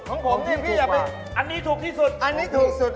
อันนี้ถูกสุด